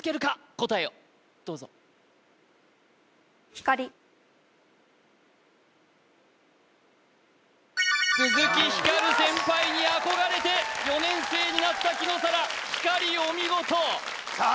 答えをどうぞ鈴木光先輩に憧れて４年生になった紀野紗良光お見事さあ